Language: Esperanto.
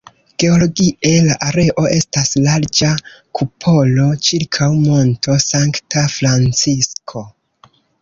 Geologie, la areo estas larĝa kupolo ĉirkaŭ Monto Sankta Francisko.